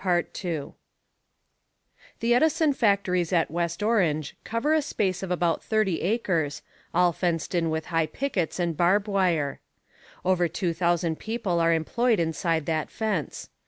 The Edison factories at West Orange cover a space of about thirty acres, all fenced in with high pickets and barb wire. Over two thousand people are employed inside that fence.